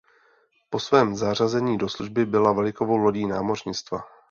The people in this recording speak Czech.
Po svém zařazení do služby byla vlajkovou lodí námořnictva.